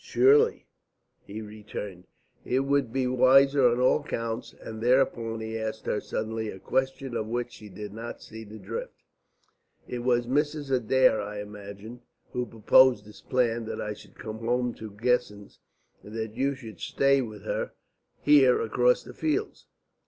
"Surely," he returned. "It would be wiser on all counts." And thereupon he asked her suddenly a question of which she did not see the drift. "It was Mrs. Adair, I imagine, who proposed this plan that I should come home to Guessens and that you should stay with her here across the fields?"